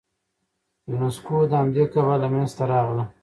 یونسکو د همدې کبله منځته راغلی.